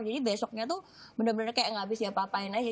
jadi besoknya tuh bener bener kayak nggak abis ya apa apain aja